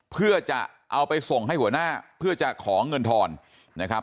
เพื่อจะเอาไปส่งให้หัวหน้าเพื่อจะขอเงินทอนนะครับ